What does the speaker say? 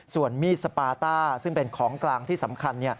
ส่วนมีดสปาต้าซึ่งเป็นของกลางที่สำคัญ